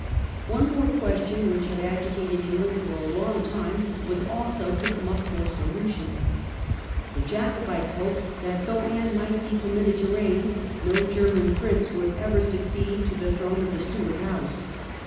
One more question, which had agitated England for a long time, was also co come up for solution. The Jacob (3) The Sue ^^^^ hoped that, though Anne might be per cession prob mittcd to reign, no German prince would ever ^*^™* succeed to the throne of the Stewart House.